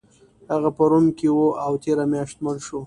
هغه په روم کې و او تیره میاشت مړ شو